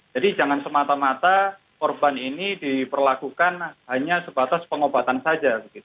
jadi jangan semata mata korban ini diperlakukan hanya sebatas pengobatan saja